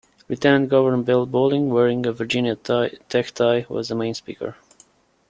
Lieutenant Governor Bill Bolling, wearing a Virginia Tech tie, was the main speaker.